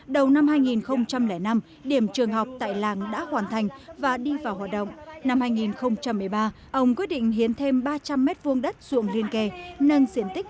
đầu năm hai nghìn năm điểm trường học tại làng đã hoàn thành và đi vào hoạt động